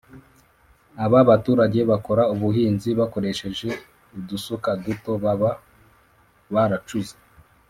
Aba baturage bakora ubuhinzi bakoresheje udusuka duto baba baracuze